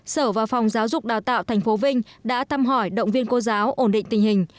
sở và phòng giáo dục đào tạo tp vinh đã thăm hỏi động viên cô giáo ổn định tình hình